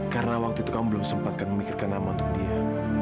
karena waktu itu kamu belum sempatkan memikirkan nama untuk dia